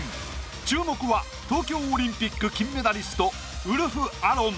注目は東京オリンピック金メダリストウルフアロン。